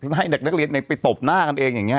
ให้เด็กนักเรียนไปตบหน้ากันเองอย่างนี้